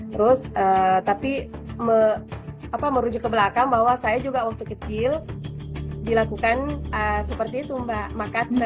terus tapi merujuk ke belakang bahwa saya juga waktu kecil dilakukan seperti itu mbak